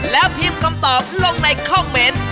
แล้วพิมพ์คำตอบลงในคอมเมนต์